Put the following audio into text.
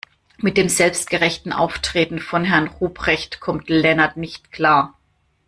Mit dem selbstgerechten Auftreten von Herrn Ruprecht kommt Lennart nicht klar.